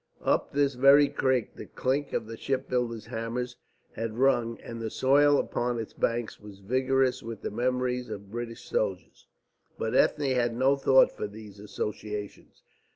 Up this very creek the clink of the ship builders' hammers had rung, and the soil upon its banks was vigorous with the memories of British sailors. But Ethne had no thought for these associations.